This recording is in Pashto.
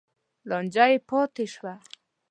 لانجه یې پاتې شوه.